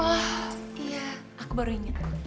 oh iya aku baru ingat